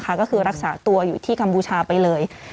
ก็คือรักษาตัวอยู่ที่กัมพูชาไปเลย